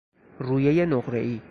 رویهی نقرهای